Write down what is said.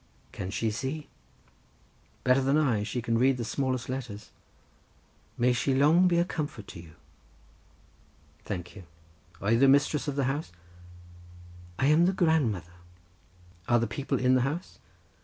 "Can she see?" "Better than I—she can read the smallest letters." "May she long be a comfort to you!" "Thank you—are you the mistress of the house?" "I am the grandmother." "Are the people in the house?"